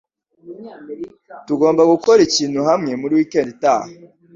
Tugomba gukora ikintu hamwe muri wikendi itaha.